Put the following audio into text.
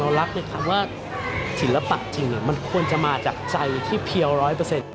รักในคำว่าศิลปะจริงมันควรจะมาจากใจที่เพียวร้อยเปอร์เซ็นต์